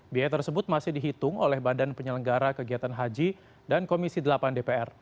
biaya tersebut masih dihitung oleh badan penyelenggara kegiatan haji dan komisi delapan dpr